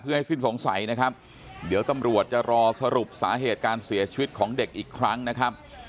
ให้สิ้นสงสัยนะครับเดี๋ยวตำรวจจะรอสรุปสาเหตุการเสียชีวิตของเด็กอีกครั้งนะครับ